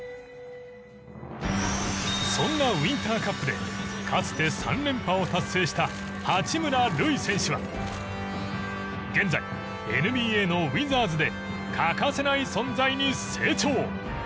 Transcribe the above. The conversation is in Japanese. そんなウインターカップでかつて３連覇を達成した八村塁選手は現在ＮＢＡのウィザーズで欠かせない存在に成長。